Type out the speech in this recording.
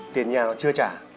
tiền nhà nó chưa trả